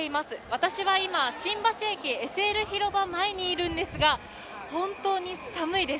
私は今、新橋駅ＳＬ広場前にいるんですが、本当に寒いです。